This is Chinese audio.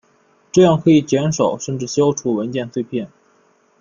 这样可以减少甚至消除文件碎片。